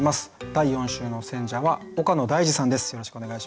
第４週の選者は岡野大嗣さんです。